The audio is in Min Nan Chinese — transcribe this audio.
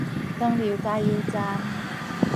長流加油站